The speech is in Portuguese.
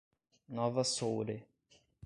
Nova Soure